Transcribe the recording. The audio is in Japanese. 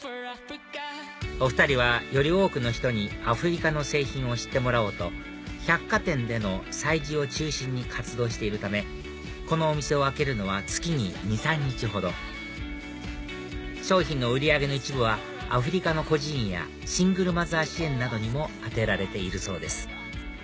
お２人はより多くの人にアフリカの製品を知ってもらおうと百貨店での催事を中心に活動しているためこのお店を開けるのは月に２３日ほど商品の売り上げの一部はアフリカの孤児院やシングルマザー支援などにも充てられているそうです